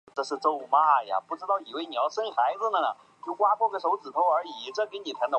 本剧由渡边谦主演。